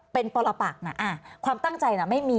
เป็นปรปักนะความตั้งใจน่ะไม่มี